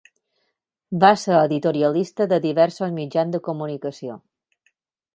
Va ser editorialista de diversos mitjans de comunicació.